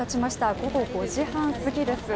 午後５時半すぎです。